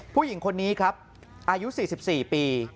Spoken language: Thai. ผู้หญิงคนนี้ครับอายุ๔๔ปี